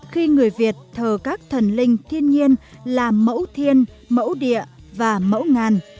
khi người việt thờ các thần linh thiên nhiên là mẫu thiên mẫu địa và mẫu ngàn